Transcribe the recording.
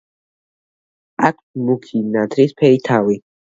აქვს მუქი ნაცრისფერი თავი.